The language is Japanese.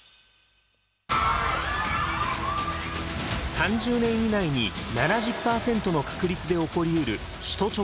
３０年以内に７０％の確率で起こりうる